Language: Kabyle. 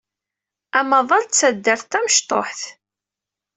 Amaḍal d taddart tamecṭuḥt.